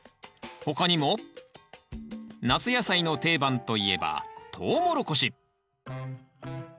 他にも夏野菜の定番といえばトウモロコシ。